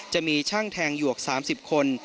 จะมีช่างแทงหยวก๓๐คน